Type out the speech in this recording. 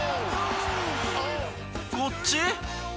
こっち？